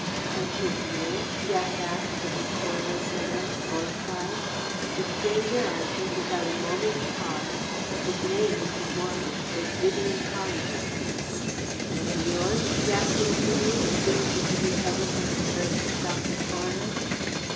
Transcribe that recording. "And his name?" Jack asked of the poor old man, horrified. The stranger answered without a moment's pause: "His name, if you want it was Vivian Callingham." "And yours?" Jack continued, as soon as he could recover from his first shock of horror.